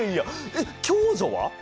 えっ共助は？